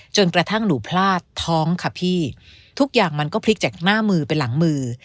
จนกระทั่งหนูพลาดท้องค่ะพี่ทุกอย่างมันก็พลิกจากหน้ามือไปหลังมือ